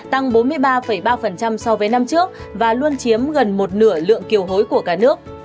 tăng bốn mươi ba ba so với năm trước và luôn chiếm gần một nửa lượng kiều hối của cả nước